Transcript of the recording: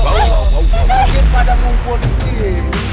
kasih pada mumpuni sini